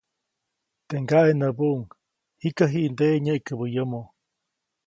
Teʼ ŋgaʼe näbuʼuŋ -jikä jiʼndeʼe nyeʼkäbä yomo-.